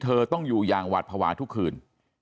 เธอต้องอยู่อย่างหวัดภาวะทุกคืน